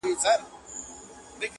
ما لیدلې د وزیرو په مورچو کي-